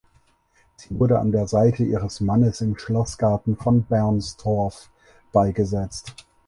Sie wurde an der Seite ihres Mannes im Schlossgarten von Bernstorff beigesetzt.